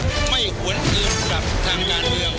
ผมไม่หวนอื่นกับทางงานเดียว